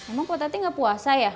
emang pak tati gak puasa ya